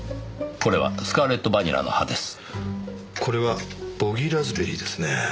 これはボギー・ラズベリーですねぇ。